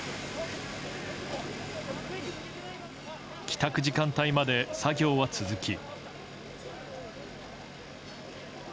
帰宅時間帯まで作業は続き。